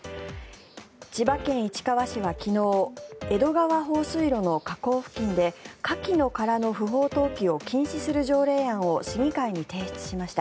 千葉県市川市は昨日江戸川放水路の河口付近でカキの殻の不法投棄を禁止する条例案を市議会に提出しました。